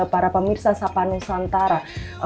para pemirsa sapa nusantara